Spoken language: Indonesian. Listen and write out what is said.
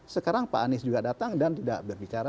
sekarang pak anies juga datang dan tidak berbicara